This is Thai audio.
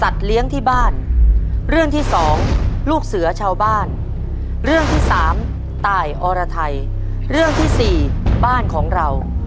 ทิมขอเลือกตายออระไทยค่ะ